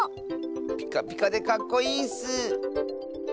ピカピカでかっこいいッス！